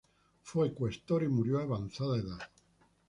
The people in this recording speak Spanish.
Fue cuestor y murió a avanzada edad.